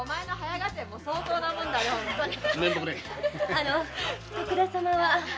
あの徳田様は？